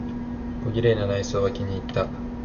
小綺麗な内装は気にいった。